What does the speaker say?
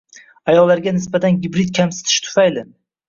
Ayollarga nisbatan gibrid kamsitish tufayli